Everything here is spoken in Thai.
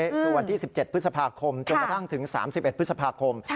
คือวันที่๑๗พฤษภาคมจนกระทั่งถึง๓๑พฤษภาคม